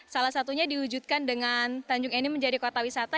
salah satunya diwujudkan dengan tanjung enim menjadi kota wisata